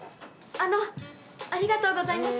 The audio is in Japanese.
ありがとうございます。